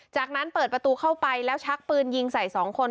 จากนั้นเปิดประตูเข้าไปแล้วชักปืนยิงใส่๒คน